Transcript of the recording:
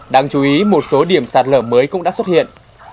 đáng chú ý một số điểm sạt lở mới cũng đã xuất hiện